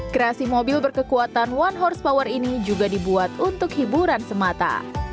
kreasi mobil berkekuatan satu horsepower ini juga dibuat untuk hiburan semata